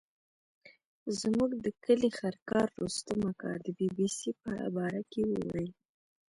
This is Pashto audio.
زموږ د کلي خرکار رستم اکا د بي بي سي په باره کې ویل.